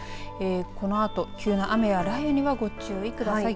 このあと急な雨や雷雨にはご注意ください。